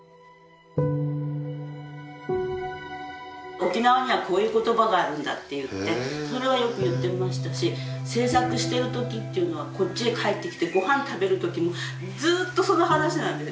沖縄にはこういう言葉があるんだって言ってそれはよく言ってましたし制作してる時っていうのはこっちへ帰ってきてご飯食べる時もずっとその話なんです。